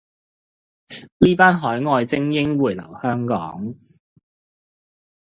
呢班海外精英回留香港